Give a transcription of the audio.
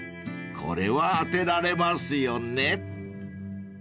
これは当てられますよね？］